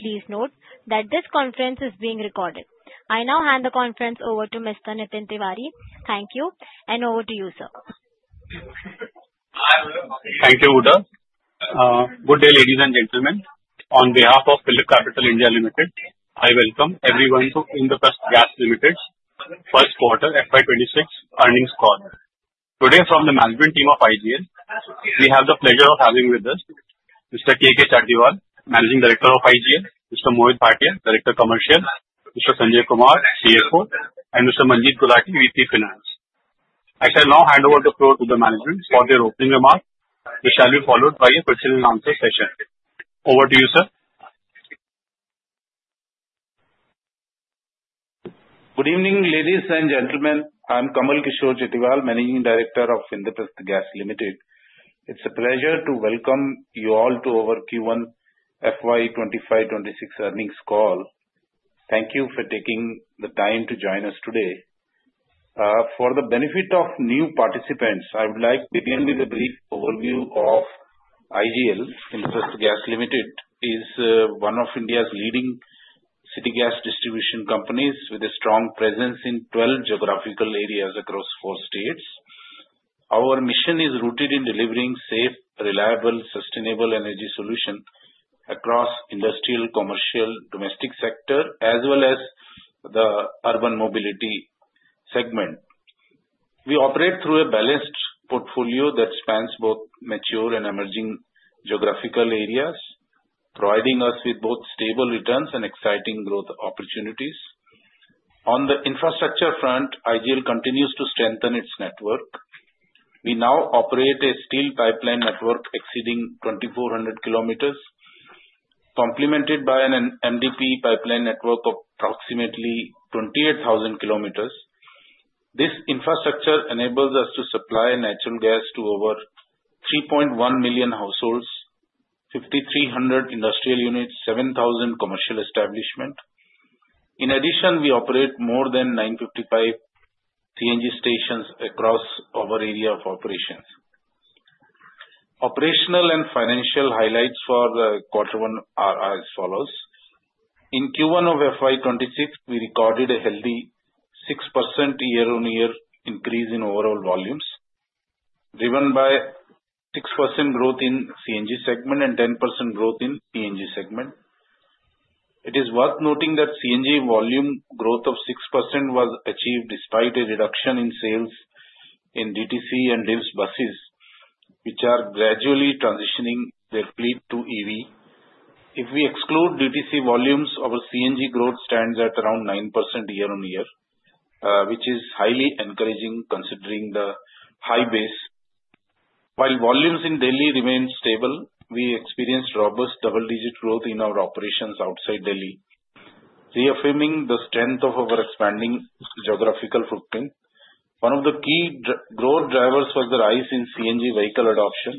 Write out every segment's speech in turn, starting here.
Please note that this conference is being recorded. I now hand the conference over to Mr. Nitin Tiwari Thank you, and over to you, sir. Thank you, Uda. Good day, ladies and gentlemen. On behalf of Phillip Capital (India) Limited, I welcome everyone to Indraprastha Gas Limited's First Quarter FY26 Earnings Call. Today, from the management team of IGL, we have the pleasure of having with us Mr. Kamal Chatiwal, Managing Director of IGL; Mr. Mohit Bhatia, Director Commercial; Mr. Sanjay Kumar, CFO; and Mr. Manjeet Gulati, VP Finance. I shall now hand over the floor to the management for their opening remarks, which shall be followed by a question-and-answer session. Over to you, sir. Good evening, ladies and gentlemen. I'm Kamal Kishore Chatiwal, Managing Director of Indraprastha Gas Limited. It's a pleasure to welcome you all to our Q1 FY2025-2026 earnings call. Thank you for taking the time to join us today. For the benefit of new participants, I would like to begin with a brief overview of IGL, Indraprastha Gas Limited. It is one of India's leading city gas distribution companies, with a strong presence in 12 geographical areas across four states. Our mission is rooted in delivering safe, reliable, sustainable energy solutions across the industrial, commercial, domestic sector, as well as the urban mobility segment. We operate through a balanced portfolio that spans both mature and emerging geographical areas, providing us with both stable returns and exciting growth opportunities. On the infrastructure front, IGL continues to strengthen its network. We now operate a steel pipeline network exceeding 2,400 km, complemented by an MDPE pipeline network of approximately 28,000 km. This infrastructure enables us to supply natural gas to over 3.1 million households, 5,300 industrial units, and 7,000 commercial establishments. In addition, we operate more than 955 CNG stations across our area of operations. Operational and financial highlights for quarter one are as follows: In Q1 of FY26, we recorded a healthy 6% year-on-year increase in overall volumes, driven by 6% growth in the CNG segment and 10% growth in the PNG segment. It is worth noting that the CNG volume growth of 6% was achieved despite a reduction in sales in DTC and DIFS buses, which are gradually transitioning their fleet to EV. If we exclude DTC volumes, our CNG growth stands at around 9% year-on-year, which is highly encouraging considering the high base. While volumes in Delhi remain stable, we experienced robust double-digit growth in our operations outside Delhi, reaffirming the strength of our expanding geographical footprint. One of the key growth drivers was the rise in CNG vehicle adoption.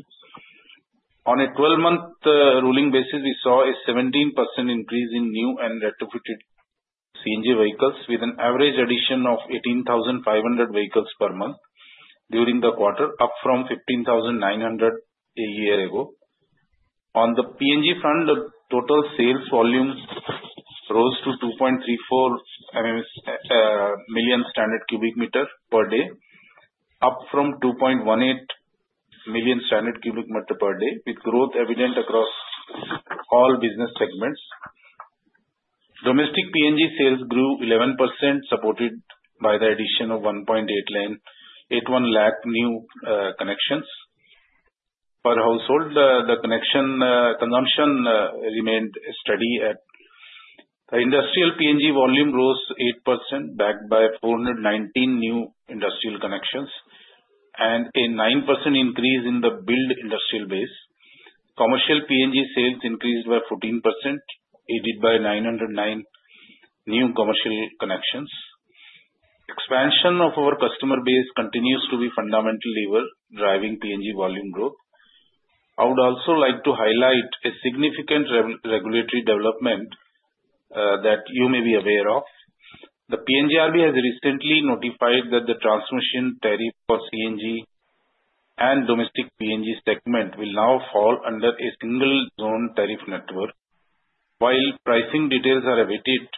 On a 12-month rolling basis, we saw a 17% increase in new and retrofitted CNG vehicles, with an average addition of 18,500 vehicles per month during the quarter, up from 15,900 a year ago. On the PNG front, the total sales volume rose to 2.34 million standard cubic meters per day, up from 2.18 million standard cubic meters per day, with growth evident across all business segments. Domestic PNG sales grew 11%, supported by the addition of 181,000 new connections per household. The connection consumption remained steady. The industrial PNG volume rose 8%, backed by 419 new industrial connections and a 9% increase in the built industrial base. Commercial PNG sales increased by 14%, aided by 909 new commercial connections. Expansion of our customer base continues to be fundamentally driving PNG volume growth. I would also like to highlight a significant regulatory development that you may be aware of. The PNGRB has recently notified that the transmission tariff for CNG and domestic PNG segment will now fall under a single-zone tariff network. While pricing details are awaited,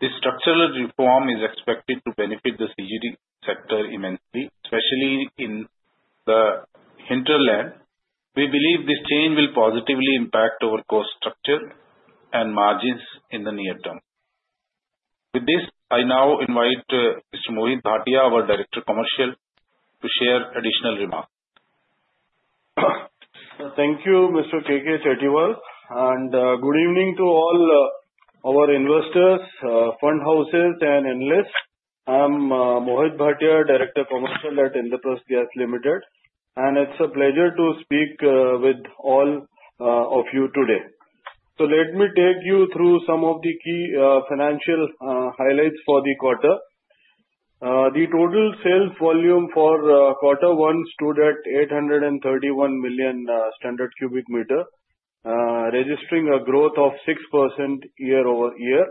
this structural reform is expected to benefit the CGD sector immensely, especially in the hinterland. We believe this change will positively impact our cost structure and margins in the near term. With this, I now invite Mr. Mohit Bhatia, our Director Commercial, to share additional remarks. Thank you, Mr. K. K. Chatiwal. Good evening to all our investors, fund houses, and analysts. I'm Mohit Bhatia, Director Commercial at Indraprastha Gas Limited, and it's a pleasure to speak with all of you today. Let me take you through some of the key financial highlights for the quarter. The total sales volume for quarter one stood at 831 million standard cubic meters, registering a growth of 6% year-over-year.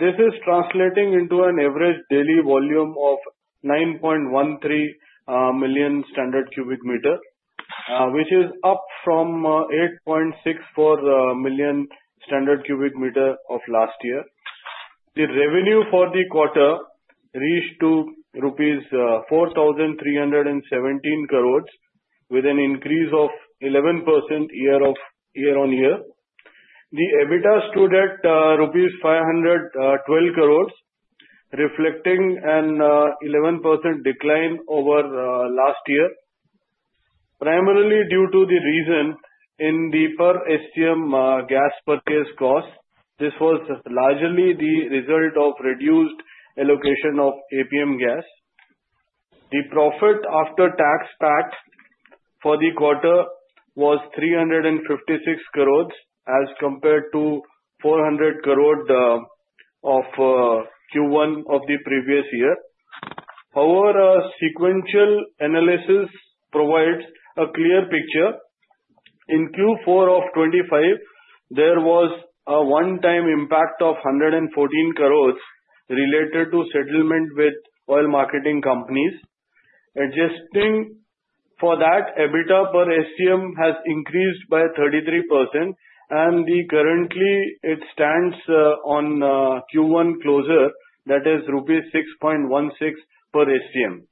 This is translating into an average daily volume of 9.13 million standard cubic meters, which is up from 8.64 million standard cubic meters of last year. The revenue for the quarter reached to rupees 4,317 crores, with an increase of 11% year-on-year. The EBITDA stood at rupees 512 crore, reflecting an 11% decline over last year, primarily due to the reason in the per SGM gas purchase cost. This was largely the result of reduced allocation of APM gas. The profit after tax PAT for the quarter was 356 crore, as compared to 400 crore of Q1 of the previous year. Our sequential analysis provides a clear picture. In Q4 of 2025, there was a one-time impact of 114 crore related to settlement with oil marketing companies. Adjusting for that, EBITDA per SGM has increased by 33%, and currently, it stands on Q1 closer, that is rupees 6.16 per SGM.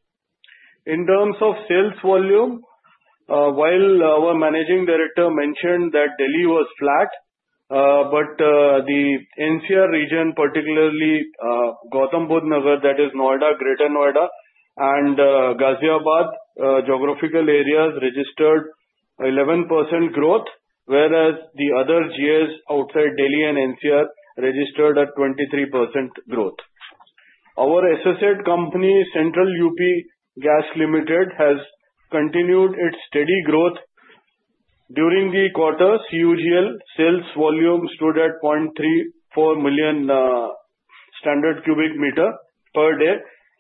In terms of sales volume, while our Managing Director mentioned that Delhi was flat, the NCR region, particularly Gautam Budh Nagar, that is Noida, Greater Noida, and Ghaziabad geographical areas registered 11% growth, whereas the other GIs outside Delhi and NCR registered at 23% growth. Our associate company, Central UP Gas Limited, has continued its steady growth. During the quarter, Central UP Gas Limited sales volume stood at 0.34 million standard cubic meters per day,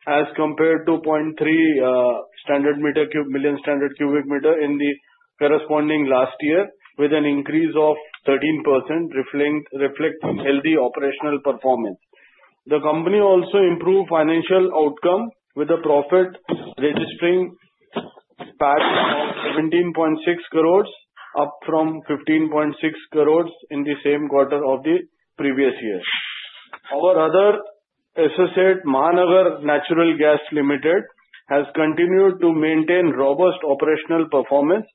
as compared to 0.3 million standard cubic meters in the corresponding last year, with an increase of 13%, reflecting healthy operational performance. The company also improved financial outcome, with the profit registering PAT of 17.6 crore, up from 15.6 crore in the same quarter of the previous year. Our other associate, Mahanagar Gas Limited, has continued to maintain robust operational performance.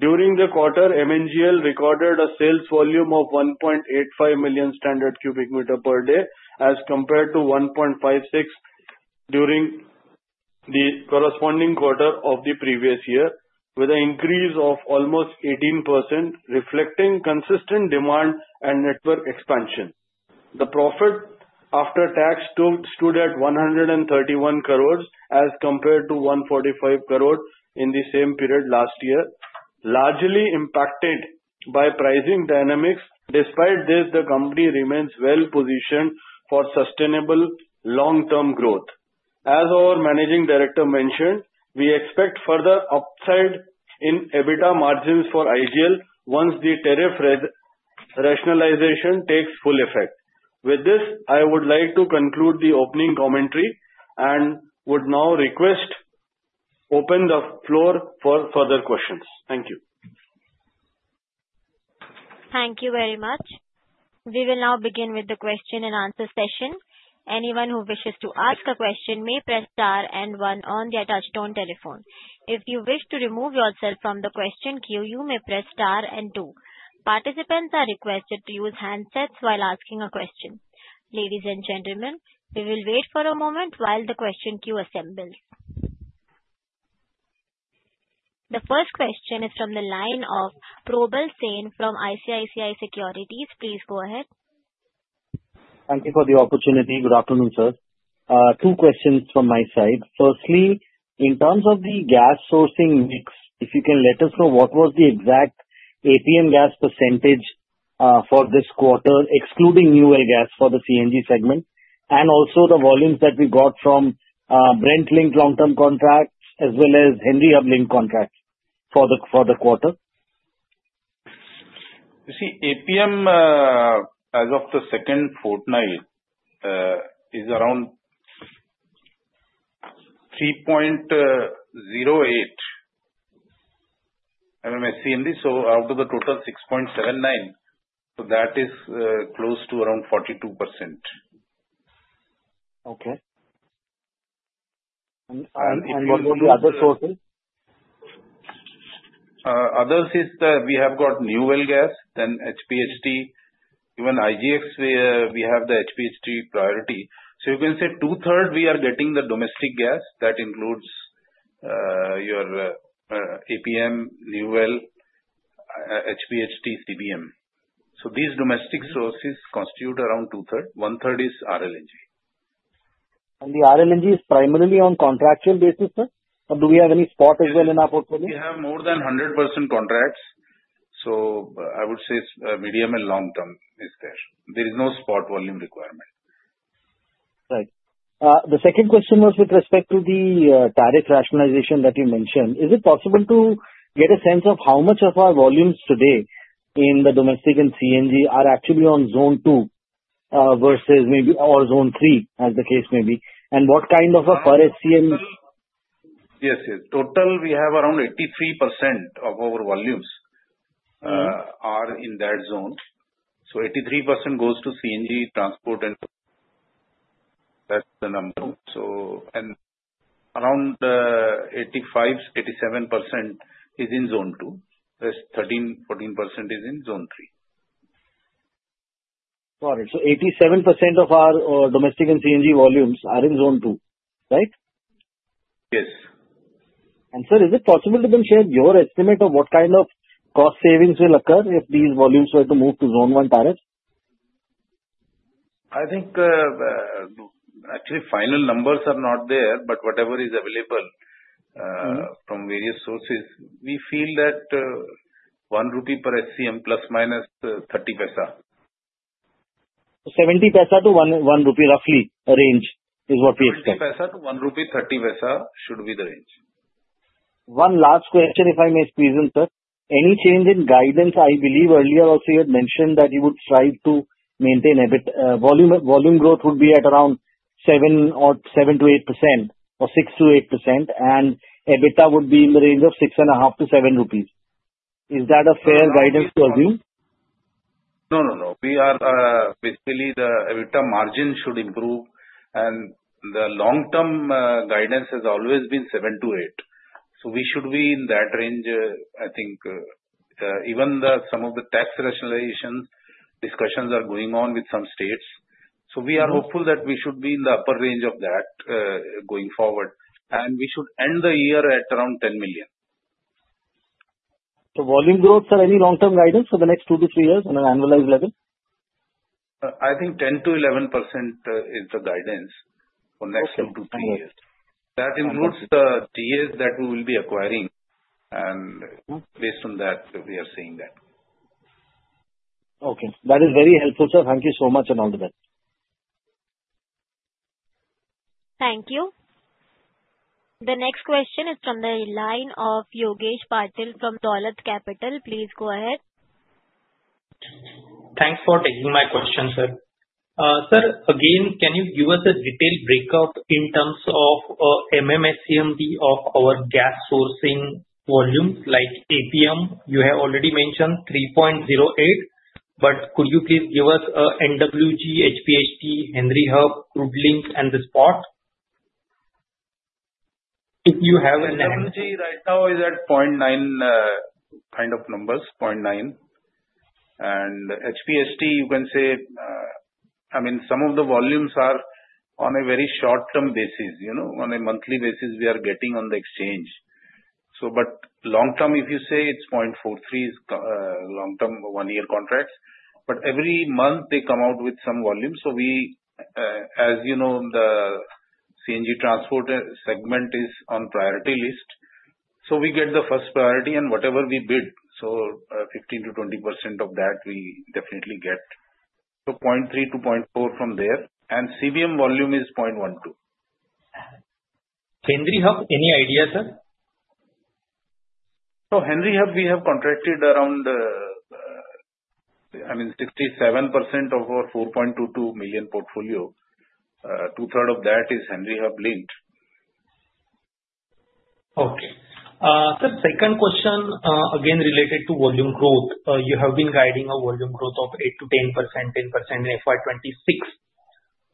During the quarter, MNGL recorded a sales volume of 1.85 million standard cubic meters per day, as compared to 1.56 million standard cubic meters per day during the corresponding quarter of the previous year, with an increase of almost 18%, reflecting consistent demand and network expansion. The profit after tax stood at 131 crore, as compared to 145 crore in the same period last year, largely impacted by pricing dynamics. Despite this, the company remains well-positioned for sustainable long-term growth. As our Managing Director mentioned, we expect further upside in EBITDA margins for IGL once the tariff rationalization takes full effect. With this, I would like to conclude the opening commentary and would now request to open the floor for further questions. Thank you. Thank you very much. We will now begin with the question-and-answer session. Anyone who wishes to ask a question may press star and one on the touchstone telephone. If you wish to remove yourself from the question queue, you may press star and two. Participants are requested to use handsets while asking a question. Ladies and gentlemen, we will wait for a moment while the question queue assembles. The first question is from the line of Prabal Singh from ICICI Securities. Please go ahead. Thank you for the opportunity. Good afternoon, sir. Two questions from my side. Firstly, in terms of the gas sourcing mix, if you can let us know what was the exact APM gas percentage for this quarter, excluding new oil gas for the CNG segment, and also the volumes that we got from Brent-linked long-term contracts as well as Henry-linked contracts for the quarter. You see, APM as of the second fortnight is around 3.08 MMSCMD in this. So out of the total, 6.79. So that is close to around 42%. Okay. If you go to the other sources? Others is that we have got new oil gas, then HPHT. Even IGX, we have the HPHT priority. You can say two-thirds we are getting the domestic gas. That includes your APM, new oil, HPHT, CBM. These domestic sources constitute around two-thirds. One-third is RLNG. Is the RLNG primarily on a contractual basis, sir? Or do we have any spot as well in our portfolio? We have more than 100% contracts. I would say medium and long-term is there. There is no spot volume requirement. Right. The second question was with respect to the tariff rationalization that you mentioned. Is it possible to get a sense of how much of our volumes today in the domestic and CNG are actually on zone two versus maybe or zone three, as the case may be? And what kind of a per SGM? Yes, yes. Total, we have around 83% of our volumes are in that zone. So 83% goes to CNG transport and that's the number. Around 85%-87% is in zone two. There is 13%-14% in zone three. Got it. So 87% of our domestic and CNG volumes are in zone two, right? Yes. Sir, is it possible to then share your estimate of what kind of cost savings will occur if these volumes were to move to zone one tariff? I think actually final numbers are not there, but whatever is available from various sources, we feel that 1 rupee per SGM ± 0.30. Seventy paisa to 1 rupee roughly range is what we expect. ₹0.70-₹1.30 should be the range. One last question, if I may squeeze in, sir. Any change in guidance? I believe earlier also you had mentioned that you would strive to maintain volume growth would be at around 7%-8% or 6%-8%, and EBITDA would be in the range of 6.5-7 rupees. Is that a fair guidance to assume? No, no, no. Basically, the EBITDA margin should improve, and the long-term guidance has always been 7%-8%. So we should be in that range, I think. Even some of the tax rationalization discussions are going on with some states. We are hopeful that we should be in the upper range of that going forward, and we should end the year at around 10 million. Volume growth, sir, any long-term guidance for the next two to three years on an annualized level? I think 10%-11% is the guidance for next two to three years. That includes the GIs that we will be acquiring, and based on that, we are seeing that. Okay. That is very helpful, sir. Thank you so much, and all the best. Thank you. The next question is from the line of Yogesh Patil from Dolat Capital. Please go ahead. Thanks for taking my question, sir. Sir, again, can you give us a detailed breakup in terms of MMSCMD of our gas sourcing volumes like APM? You have already mentioned 3.08, but could you please give us NWG, HPHT, Henry Hub, Crude Link, and the spot? If you have an. NWG right now is at 0.9 kind of numbers, 0.9. HPHT, you can say, I mean, some of the volumes are on a very short-term basis, you know, on a monthly basis we are getting on the exchange. Long-term, if you say, it is 0.43, long-term one-year contracts, but every month they come out with some volume. We, as you know, the CNG transport segment is on the priority list. We get the first priority, and whatever we bid, 15%-20% of that we definitely get. 0.3-0.4 from there. CBM volume is 0.12. Henry Hub, any idea, sir? Henry Hub, we have contracted around, I mean, 67% of our 4.22 million portfolio. Two-thirds of that is Henry Hub linked. Okay. Sir, second question, again related to volume growth. You have been guiding a volume growth of 8%-10%, 10% in FY26.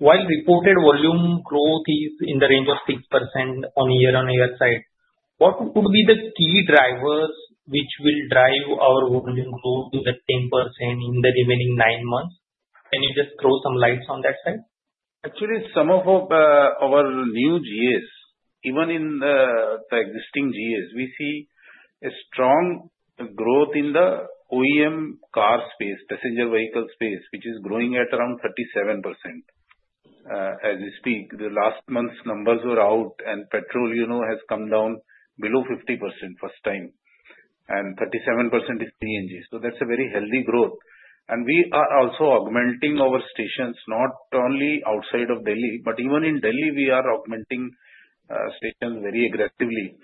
While reported volume growth is in the range of 6% on year-on-year side, what would be the key drivers which will drive our volume growth to the 10% in the remaining nine months? Can you just throw some lights on that side? Actually, some of our new GIs, even in the existing GIs, we see a strong growth in the OEM car space, passenger vehicle space, which is growing at around 37% as we speak. The last month's numbers were out, and petrol has come down below 50% first time. And 37% is CNG. That is a very healthy growth. We are also augmenting our stations, not only outside of Delhi, but even in Delhi, we are augmenting stations very aggressively.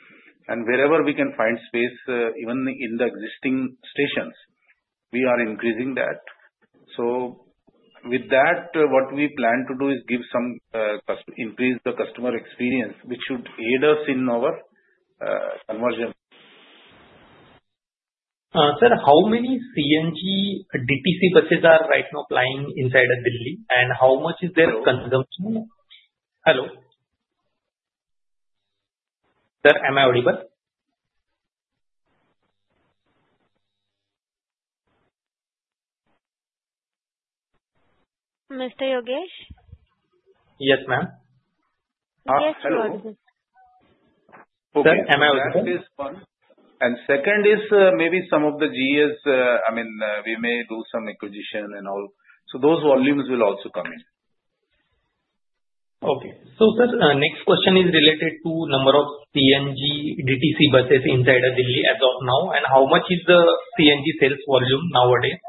Wherever we can find space, even in the existing stations, we are increasing that. With that, what we plan to do is increase the customer experience, which should aid us in our conversion. Sir, how many CNG DTC buses are right now plying inside of Delhi, and how much is their consumption? Hello? Sir, am I audible? Mr. Yogesh? Yes, ma'am. Yes, you are audible. Okay. Sir, am I audible? Second is maybe some of the GIs, I mean, we may do some acquisition and all. Those volumes will also come in. Okay. So sir, next question is related to number of CNG DTC buses inside of Delhi as of now, and how much is the CNG sales volume nowadays?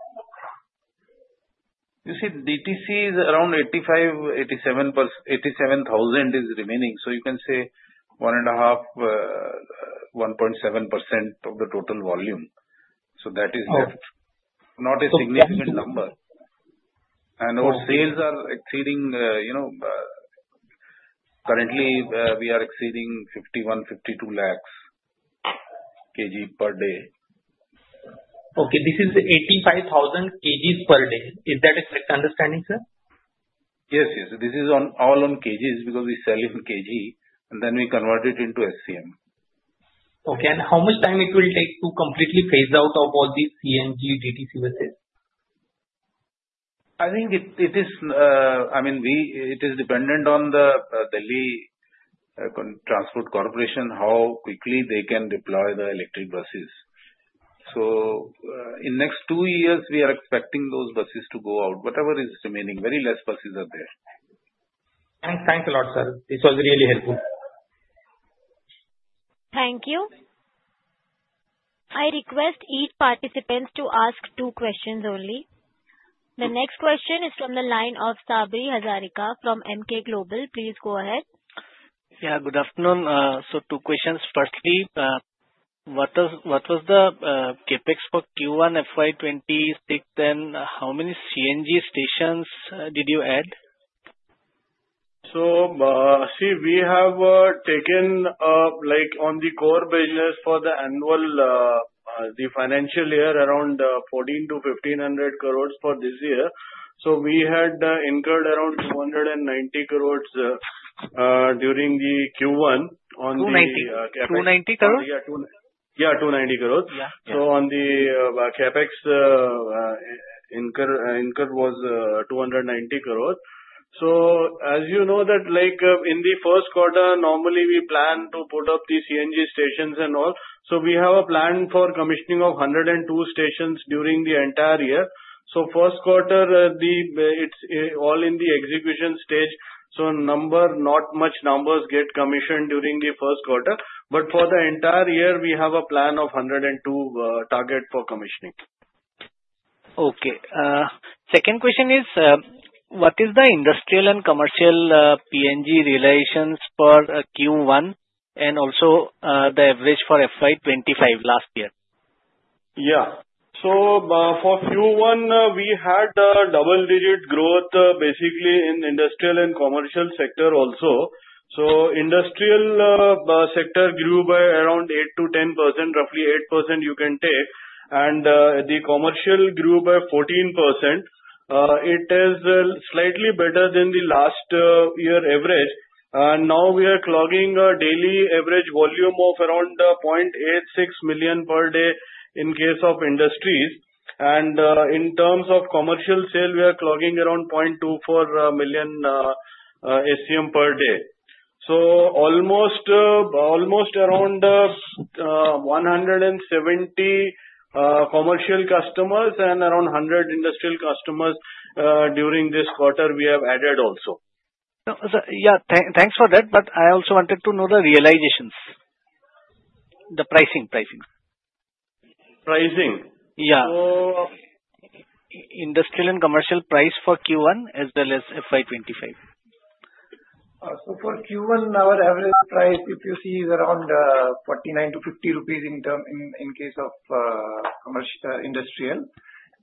You see, DTC is around 87,000 is remaining. You can say 1.7% of the total volume. That is not a significant number. Our sales are exceeding, you know, currently we are exceeding 51 lakh-52 lakh kg per day. Okay. This is 85,000 kg per day. Is that a correct understanding, sir? Yes, yes. This is all on kgs because we sell in kg, and then we convert it into SCM. Okay. How much time will it take to completely phase out all these CNG DTC buses? I think it is, I mean, it is dependent on the Delhi Transport Corporation, how quickly they can deploy the electric buses. In the next two years, we are expecting those buses to go out. Whatever is remaining, very few buses are there. Thanks a lot, sir. This was really helpful. Thank you. I request each participant to ask two questions only. The next question is from the line of Sabri Hazarika from Emkay Global. Please go ahead. Yeah, good afternoon. Two questions. Firstly, what was the CapEx for Q1 FY26, and how many CNG stations did you add? See, we have taken up like on the core business for the annual, the financial year around 1,400 crore-1,500 crore for this year. We had incurred around 290 crore during the Q1 on the. 290? 290 crores? Yeah, 290 crores. On the CapEx, incurred was 290 crores. As you know, like in the first quarter, normally we plan to put up the CNG stations and all. We have a plan for commissioning of 102 stations during the entire year. First quarter, it's all in the execution stage. Not much numbers get commissioned during the first quarter. For the entire year, we have a plan of 102 target for commissioning. Okay. Second question is, what is the industrial and commercial PNG realizations for Q1 and also the average for FY25 last year? Yeah. For Q1, we had double-digit growth basically in industrial and commercial sector also. Industrial sector grew by around 8%-10%, roughly 8% you can take. The commercial grew by 14%. It is slightly better than the last year average. Now we are clogging a daily average volume of around 0.86 million per day in case of industries. In terms of commercial sale, we are clogging around 0.24 million SCM per day. Almost around 170 commercial customers and around 100 industrial customers during this quarter we have added also. Yeah, thanks for that. I also wanted to know the realizations, the pricing, pricing. Pricing? Yeah. Industrial and commercial price for Q1 as well as FY25? For Q1, our average price, if you see, is around 49-50 rupees in case of industrial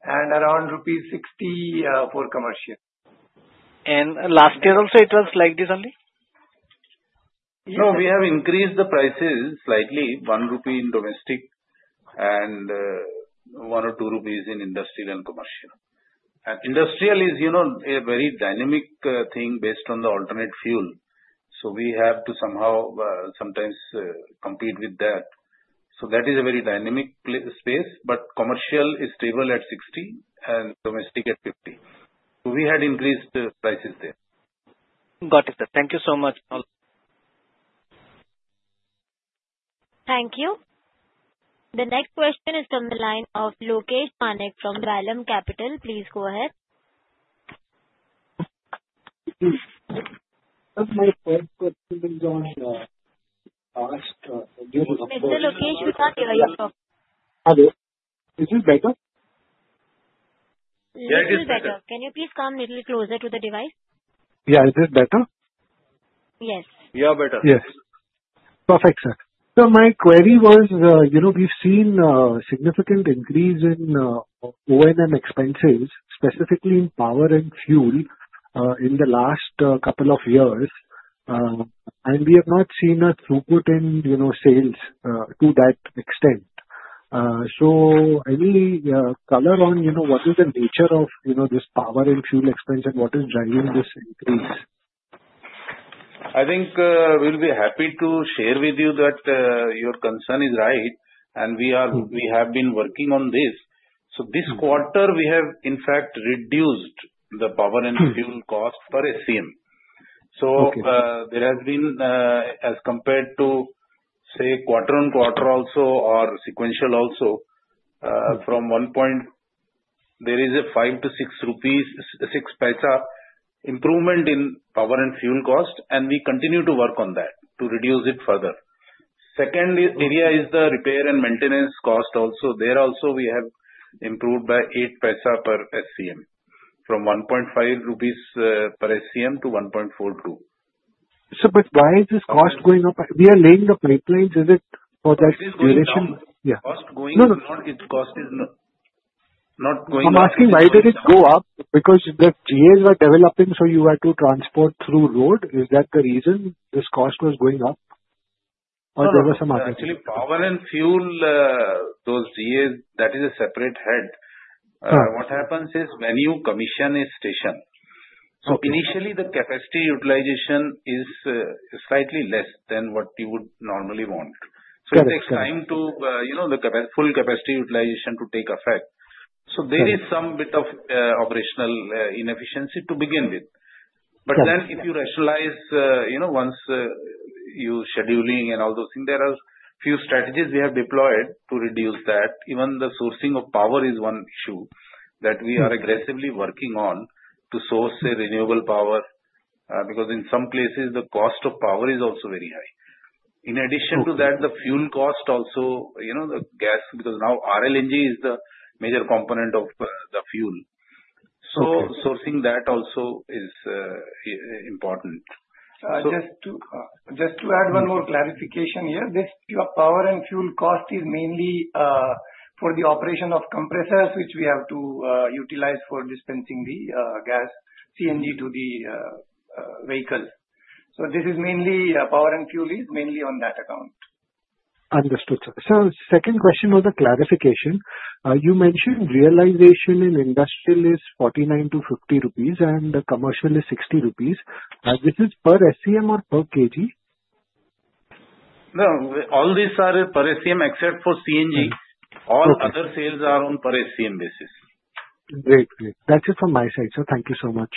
and around rupees 60 for commercial. Last year also it was like this only? No, we have increased the prices slightly, 1 rupee in domestic and 1 or 2 rupees in industrial and commercial. Industrial is a very dynamic thing based on the alternate fuel. We have to sometimes compete with that. That is a very dynamic space. Commercial is stable at 60 and domestic at 50. We had increased prices there. Got it, sir. Thank you so much. Thank you. The next question is from the line of Lokesh Manik from Vallum Capital. Please go ahead. Sir, my first question is on last. Mr. Lokesh, we can't hear you. Hello. Is it better? Yes, it's better. Can you please come a little closer to the device? Yeah, is it better? Yes. You are better? Yes. Perfect, sir. My query was, we've seen a significant increase in O&M expenses, specifically in power and fuel in the last couple of years. We have not seen a throughput in sales to that extent. Any color on what is the nature of this power and fuel expense, and what is driving this increase? I think we'll be happy to share with you that your concern is right, and we have been working on this. This quarter, we have in fact reduced the power and fuel cost per SCM. There has been, as compared to, say, quarter on quarter also or sequential also, from one point, there is an 5-6 rupees improvement in power and fuel cost, and we continue to work on that to reduce it further. The second area is the repair and maintenance cost also. There also, we have improved by 0.08 per SCM from 1.50 rupees per SCM to 1.42. Sir, but why is this cost going up? We are laying the pipelines. Is it for that duration? It is going up. Cost going up. No, no, no. Its cost is not going up. I'm asking why did it go up? Because the GIs were developing, so you had to transport through road. Is that the reason this cost was going up? Or were there some other things? Actually, power and fuel, those GIs, that is a separate head. What happens is when you commission a station, initially, the capacity utilization is slightly less than what you would normally want. It takes time to, you know, the full capacity utilization to take effect. There is some bit of operational inefficiency to begin with. If you rationalize, you know, once you scheduling and all those things, there are a few strategies we have deployed to reduce that. Even the sourcing of power is one issue that we are aggressively working on to source renewable power because in some places, the cost of power is also very high. In addition to that, the fuel cost also, you know, the gas, because now RLNG is the major component of the fuel. Sourcing that also is important. Just to add one more clarification here, this power and fuel cost is mainly for the operation of compressors, which we have to utilize for dispensing the gas CNG to the vehicles. This is mainly power and fuel is mainly on that account. Understood, sir. Sir, second question was a clarification. You mentioned realization in industrial is 49-50 rupees, and commercial is 60 rupees. This is per SCM or per kg? No, all these are per SCM except for CNG. All other sales are on per SCM basis. Great, great. That's it from my side, sir. Thank you so much.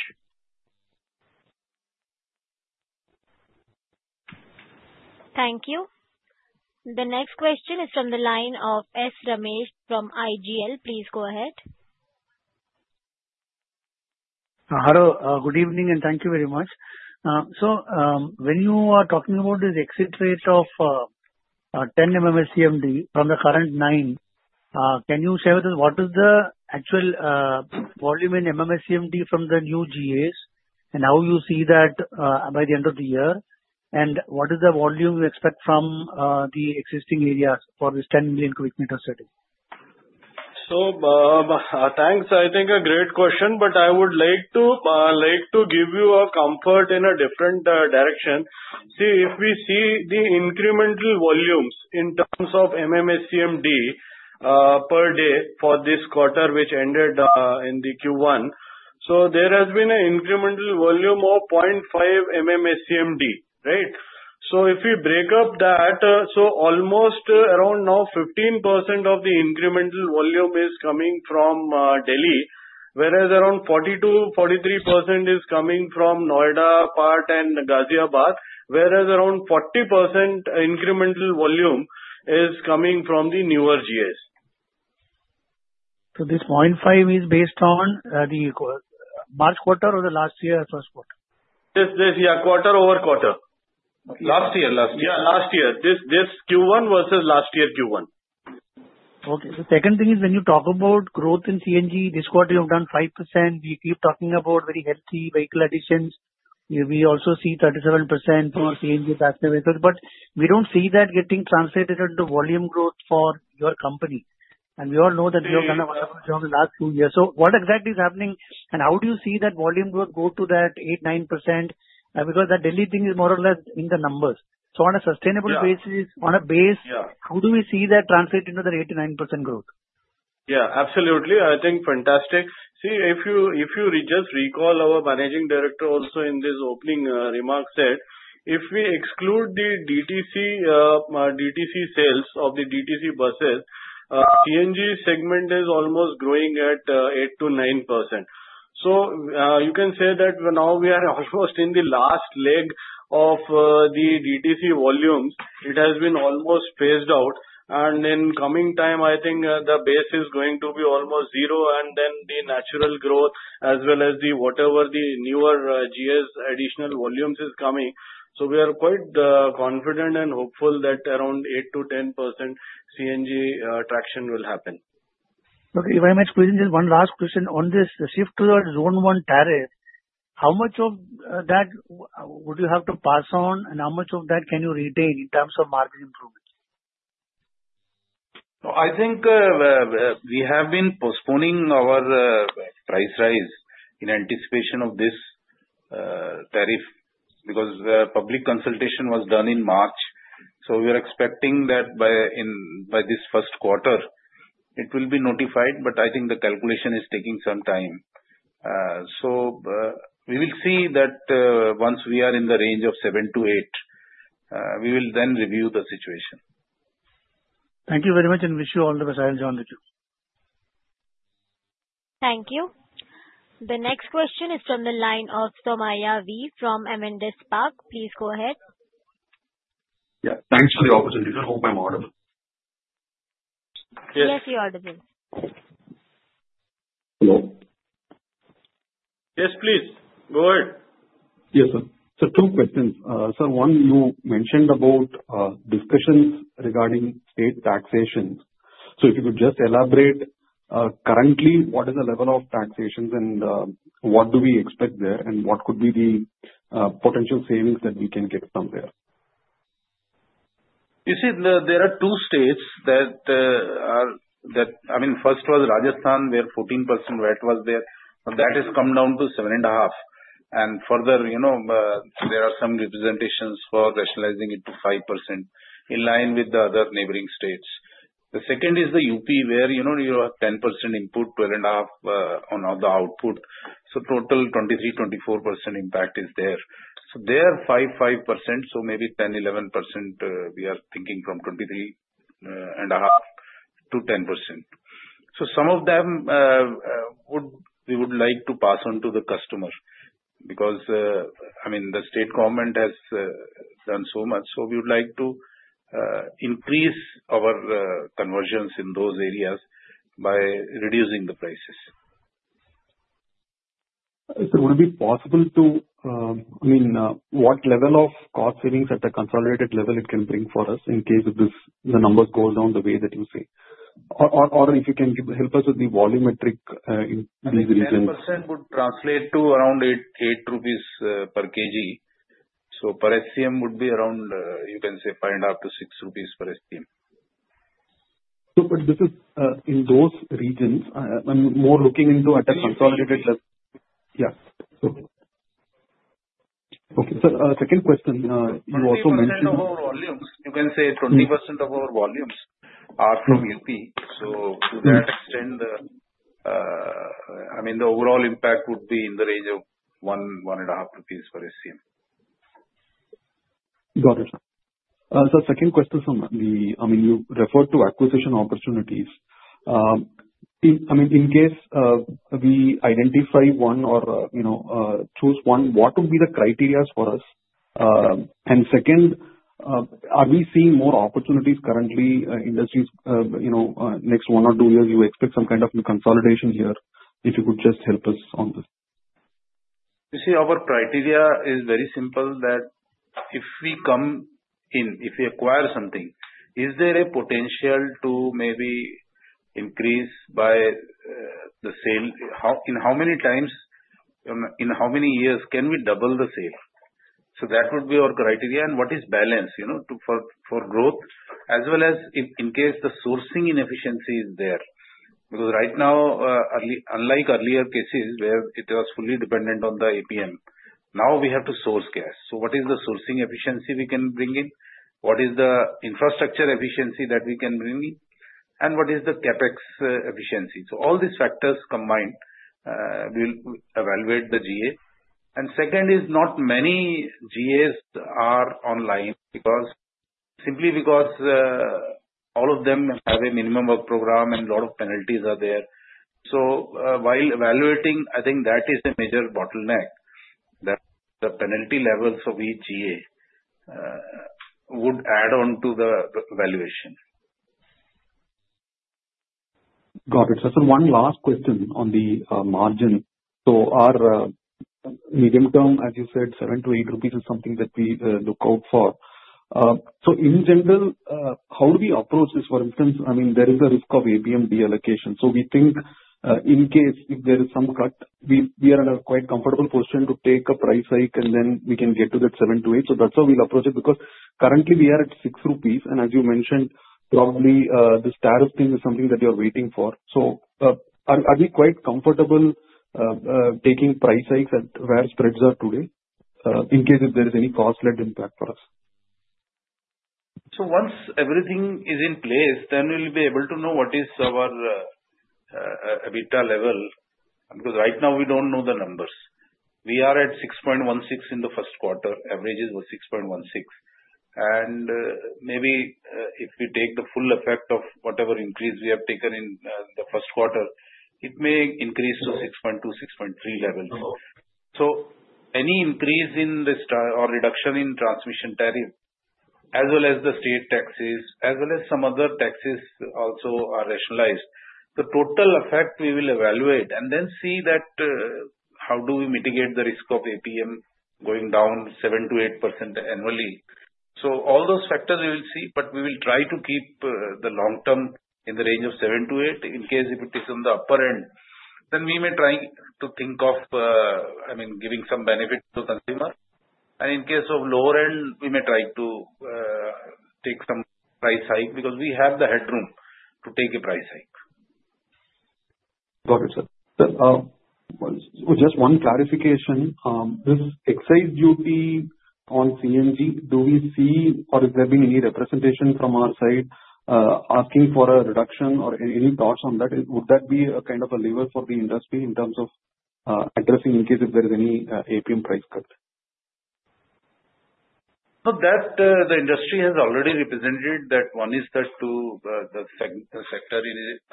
Thank you. The next question is from the line of S. Ramesh from Nirmal Bang. Please go ahead. Hello, good evening, and thank you very much. When you are talking about this exit rate of 10 MMSCMD from the current nine, can you share with us what is the actual volume in MMSCMD from the new GAs and how you see that by the end of the year? What is the volume you expect from the existing areas for this 10 million cubic meters setting? Thanks. I think a great question, but I would like to give you a comfort in a different direction. See, if we see the incremental volumes in terms of MMSCMD per day for this quarter, which ended in the Q1, there has been an incremental volume of 0.5 MMSCMD, right? If we break up that, almost around 15% of the incremental volume is coming from Delhi, whereas around 42%-43% is coming from Noida part and Ghaziabad, whereas around 40% incremental volume is coming from the newer GIs. Is this 0.5 based on the March quarter or the last year first quarter? Yes, yes, quarter over quarter. Last year? Yeah, last year. This Q1 versus last year Q1. Okay. The second thing is when you talk about growth in CNG, this quarter you have done 5%. We keep talking about very healthy vehicle additions. We also see 37% for CNG passive vehicles. We do not see that getting translated into volume growth for your company. We all know that you have done a wonderful job in the last two years. What exactly is happening, and how do you see that volume growth go to that 8%-9%? That daily thing is more or less in the numbers. On a sustainable basis, on a base, how do we see that translate into that 8%-9% growth? Yeah, absolutely. I think fantastic. See, if you just recall our Managing Director also in this opening remark said, if we exclude the DTC sales of the DTC buses, CNG segment is almost growing at 8%-9%. You can say that now we are almost in the last leg of the DTC volumes. It has been almost phased out. In coming time, I think the base is going to be almost zero, and then the natural growth as well as whatever the newer GIs additional volumes is coming. We are quite confident and hopeful that around 8%-10% CNG traction will happen. Okay. If I may ask just one last question on this. Shift to the Zone 1 tariff, how much of that would you have to pass on, and how much of that can you retain in terms of market improvement? I think we have been postponing our price rise in anticipation of this tariff because public consultation was done in March. We are expecting that by this first quarter, it will be notified, but I think the calculation is taking some time. We will see that once we are in the range of 7-8, we will then review the situation. Thank you very much and wish you all the best. I'll join the queue. Thank you. The next question is from the line of Somaiya V. from Avendus Park. Please go ahead. Yeah, thanks for the opportunity. I hope I'm audible. Yes, you're audible. Hello. Yes, please. Go ahead. Yes, sir. Two questions. Sir, one, you mentioned about discussions regarding state taxation. If you could just elaborate, currently, what is the level of taxations and what do we expect there, and what could be the potential savings that we can get from there? You see, there are two states that are, I mean, first was Rajasthan, where 14% VAT was there. That has come down to 7.5%. And further, there are some representations for rationalizing it to 5% in line with the other neighboring states. The second is the UP, where you have 10% input, 12.5% on the output. So total 23%-24% impact is there. So they are 5%, 5%. So maybe 10%-11% we are thinking from 23.5%-10%. Some of them we would like to pass on to the customer because, I mean, the state government has done so much. We would like to increase our conversions in those areas by reducing the prices. Would it be possible to, I mean, what level of cost savings at the consolidated level it can bring for us in case the numbers go down the way that you say? Or if you can help us with the volumetric in these regions. 10% would translate to around 8 rupees per kg. So per SCM would be around, you can say, 5 and a half to 6 rupees per SCM. But this is in those regions, I'm more looking into at a consolidated level. Yeah. Okay. Sir, second question. You also mentioned. 20% of our volumes, you can say 20% of our volumes are from Uttar Pradesh. To that extent, I mean, the overall impact would be in the range of 1-1.5 rupees per SCM. Got it, sir. Sir, second question from the, I mean, you referred to acquisition opportunities. I mean, in case we identify one or choose one, what would be the criteria for us? And second, are we seeing more opportunities currently? Industries, next one or two years, you expect some kind of consolidation here. If you could just help us on this. You see, our criteria is very simple that if we come in, if we acquire something, is there a potential to maybe increase by the same in how many times, in how many years can we double the sale? That would be our criteria. What is balance for growth, as well as in case the sourcing inefficiency is there? Because right now, unlike earlier cases where it was fully dependent on the APM, now we have to source gas. What is the sourcing efficiency we can bring in? What is the infrastructure efficiency that we can bring in? What is the CapEx efficiency? All these factors combined, we will evaluate the GA. Second is not many GAs are online simply because all of them have a minimum work program and a lot of penalties are there. While evaluating, I think that is the major bottleneck, that the penalty levels of each GA would add on to the evaluation. Got it. Sir, one last question on the margin. Our medium term, as you said, 7-8 rupees is something that we look out for. In general, how do we approach this? For instance, I mean, there is the risk of APM deallocation. We think in case if there is some cut, we are in a quite comfortable position to take a price hike, and then we can get to that 7-8. That is how we will approach it because currently we are at 6 rupees. As you mentioned, probably this tariff thing is something that you are waiting for. Are we quite comfortable taking price hikes at where spreads are today in case if there is any cost-led impact for us? Once everything is in place, then we'll be able to know what is our EBITDA level because right now we don't know the numbers. We are at 6.16 in the first quarter. Average is 6.16. Maybe if we take the full effect of whatever increase we have taken in the first quarter, it may increase to 6.2-6.3 levels. Any increase in the reduction in transmission tariff, as well as the state taxes, as well as some other taxes also are rationalized. The total effect we will evaluate and then see how do we mitigate the risk of APM going down 7%-8% annually. All those factors we will see, but we will try to keep the long term in the range of 7-8. In case if it is on the upper end, we may try to think of, I mean, giving some benefit to the consumer. In case of lower end, we may try to take some price hike because we have the headroom to take a price hike. Got it, sir. Just one clarification. This excise duty on CNG, do we see or is there been any representation from our side asking for a reduction or any thoughts on that? Would that be a kind of a lever for the industry in terms of addressing in case if there is any APM price cut? The industry has already represented that one is that to the sector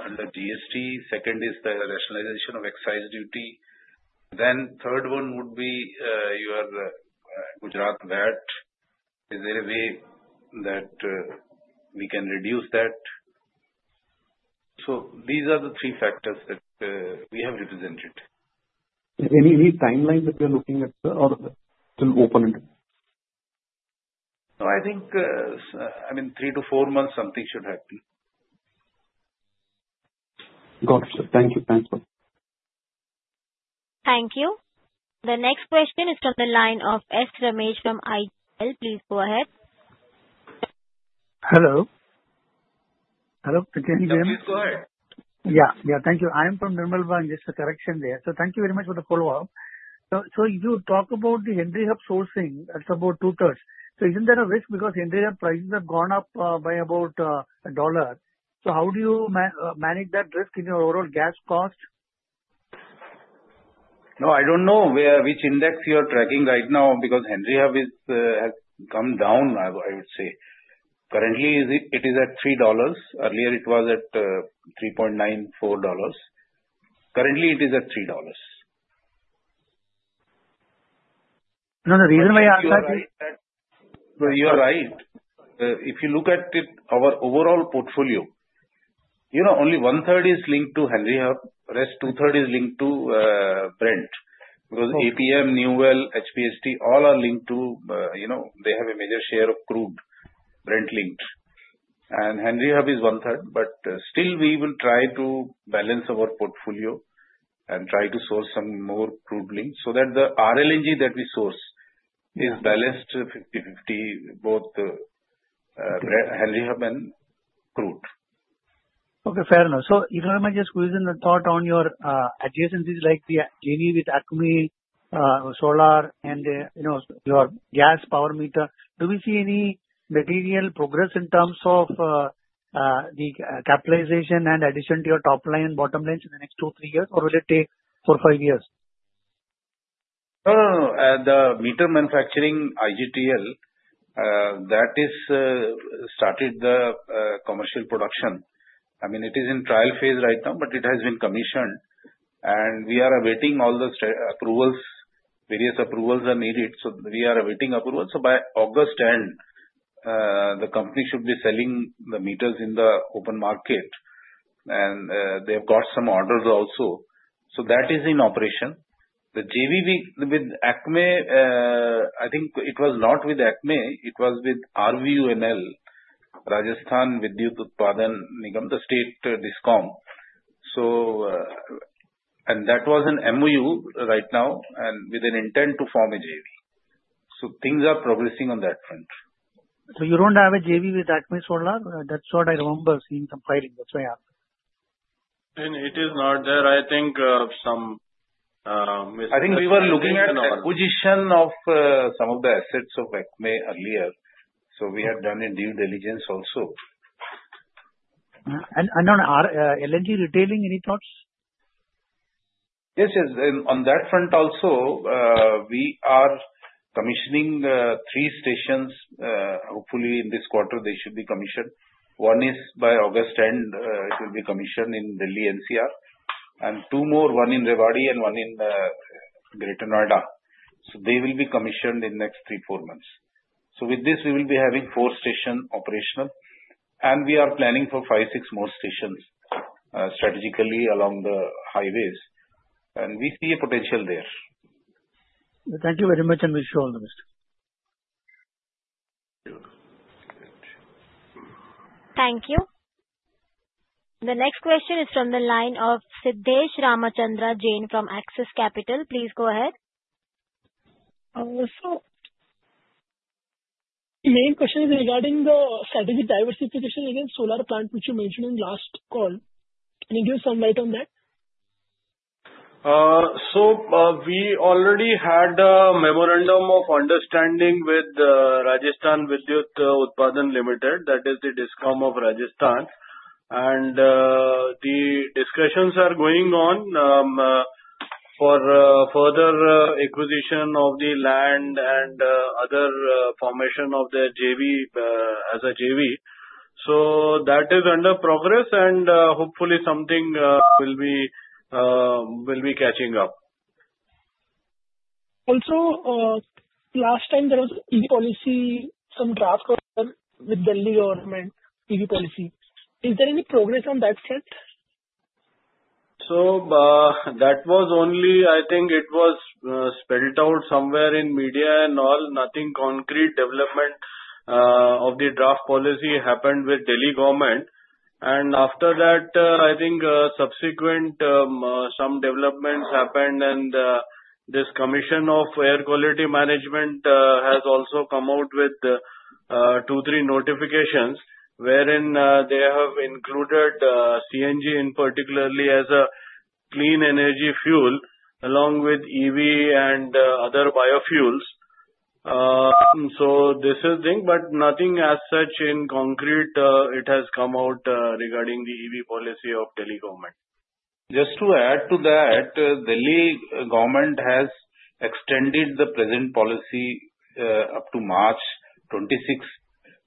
under GST. Second is the rationalization of excise duty. Third one would be your Gujarat VAT. Is there a way that we can reduce that? These are the three factors that we have represented. Is there any timeline that we are looking at, sir, or still open? I think, I mean, three to four months something should happen. Got it, sir. Thank you. Thanks, sir. Thank you. The next question is from the line of S. Ramesh from IGL. Please go ahead. Hello. Hello again, can you hear me? Yes, please go ahead. Yeah, yeah. Thank you. I am from Nirmal Bang. Just a correction there. Thank you very much for the follow-up. If you talk about the Henry Hub sourcing, that's about two-thirds. Isn't there a risk because Henry Hub prices have gone up by about $1? How do you manage that risk in your overall gas cost? No, I don't know which index you're tracking right now because Henry Hub has come down, I would say. Currently, it is at $3. Earlier, it was at $3.94. Currently, it is at $3. No, the reason why I ask that is. You're right. If you look at our overall portfolio, only one-third is linked to Henry Hub. The rest two-thirds is linked to Brent because APM, New Well, HPHT, all are linked to, they have a major share of crude Brent linked. Henry Hub is one-third. Still, we will try to balance our portfolio and try to source some more crude link so that the RLNG that we source is balanced 50/50, both Henry Hub and crude. Okay, fair enough. If you do not mind just squeezing the thought on your adjacencies like the JV with Akumi Solar and your gas power meter, do we see any material progress in terms of the capitalization and addition to your top line and bottom lines in the next two, three years, or will it take four, five years? The meter manufacturing IGTL, that is started the commercial production. I mean, it is in trial phase right now, but it has been commissioned. We are awaiting all the approvals. Various approvals are needed. We are awaiting approval. By August end, the company should be selling the meters in the open market. They have got some orders also. That is in operation. The JV with Akumi, I think it was not with Akumi. It was with RVUNL, Rajasthan Vidyut Utpadan Nigam, the state discom. That was an MOU right now and with an intent to form a JV. Things are progressing on that front. So you don't have a JV with Akumi Solar? That's what I remember seeing compiling. That's why I asked. It is not there. I think some misunderstanding. I think we were looking at the acquisition of some of the assets of Akumi earlier. So we had done a due diligence also. On RLNG retailing, any thoughts? Yes, yes. On that front also, we are commissioning three stations. Hopefully, in this quarter, they should be commissioned. One is by August end, it will be commissioned in Delhi, NCR. Two more, one in Rewari and one in Greater Noida. They will be commissioned in the next three-four months. With this, we will be having four stations operational. We are planning for five-six more stations strategically along the highways. We see a potential there. Thank you very much and wish you all the best. Thank you. The next question is from the line of Siddesh Ramachandra Jain from Axis Capital. Please go ahead. The main question is regarding the strategic diversification against solar plant which you mentioned in last call. Can you give some light on that? We already had a memorandum of understanding with Rajasthan Rajya Vidyut Utpadan Nigam Limited, that is the discom of Rajasthan. The discussions are going on for further acquisition of the land and other formation of the JV as a JV. That is under progress. Hopefully, something will be catching up. Also, last time, there was an EV policy, some draft with Delhi government, EV policy. Is there any progress on that front? That was only, I think it was spelled out somewhere in media and all, nothing concrete development of the draft policy happened with Delhi government. After that, I think subsequent some developments happened. This Commission of Air Quality Management has also come out with two or three notifications wherein they have included CNG particularly as a clean energy fuel along with EV and other biofuels. This is the thing. Nothing as such in concrete has come out regarding the EV policy of Delhi government. Just to add to that, Delhi government has extended the present policy up to March 2026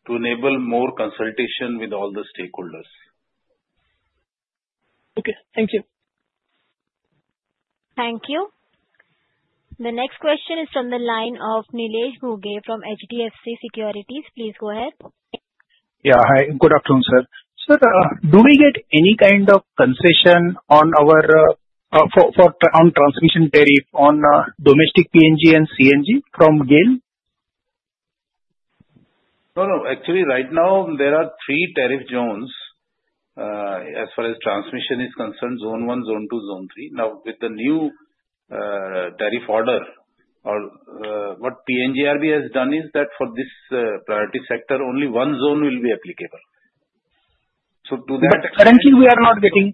to enable more consultation with all the stakeholders. Okay. Thank you. Thank you. The next question is from the line of Nilesh Ghuge from HDFC Securities. Please go ahead. Yeah. Hi. Good afternoon, sir. Sir, do we get any kind of concession on our transmission tariff on domestic PNG and CNG from GAIL? No, no. Actually, right now, there are three tariff zones as far as transmission is concerned: Zone 1, Zone 2, Zone 3. Now, with the new tariff order, what PNGRB has done is that for this priority sector, only one zone will be applicable. So to that. Currently, we are not getting.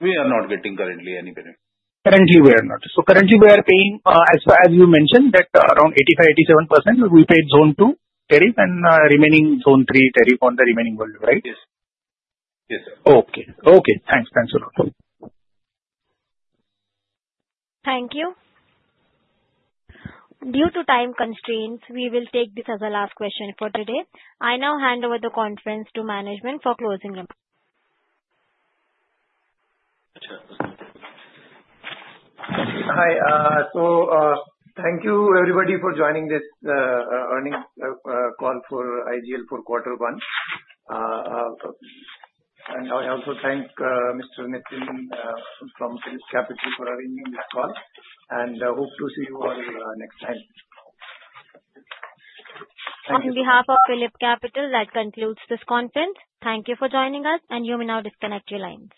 We are not getting currently any benefit. Currently, we are not. Currently, we are paying, as you mentioned, that around 85%-87%, we pay Zone 2 tariff and remaining Zone 3 tariff on the remaining volume, right? Yes. Yes, sir. Okay. Okay. Thanks. Thanks a lot. Thank you. Due to time constraints, we will take this as a last question for today. I now hand over the conference to management for closing remarks. Hi. Thank you, everybody, for joining this earning call for IGL for quarter one. I also thank Mr. Nitin from Phillip Capital for arranging this call. I hope to see you all next time. On behalf of Phillip Capital (India) Limited, that concludes this conference. Thank you for joining us. You may now disconnect your lines.